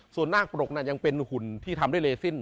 ส่วนนาคปรกยังเป็นหุ่นที่ทำด้วยเลสิน